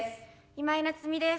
今井菜津美です。